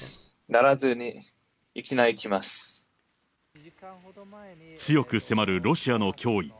鳴らずに、強く迫るロシアの脅威。